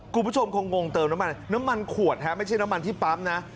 คุณผู้ชมคงงเติมน้ำมันน้ำมันขวดฮะไม่ใช่น้ำมันที่ปั๊มนะ